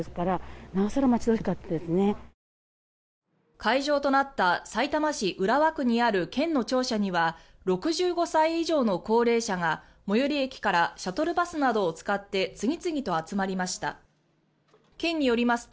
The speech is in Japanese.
会場となったさいたま市浦和区にある県の庁舎には６５歳以上の高齢者が最寄り駅からシャトルバスなどを使って次々と集まりました。